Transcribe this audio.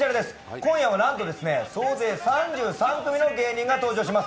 今夜はなんと総勢３３組の芸人が登場します。